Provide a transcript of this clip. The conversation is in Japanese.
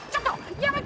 やめて！